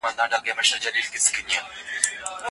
خلګو به په کلیسا کي عبادت کاوه.